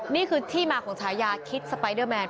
นี่คือที่มาของฉายาคิดสไปเดอร์แมน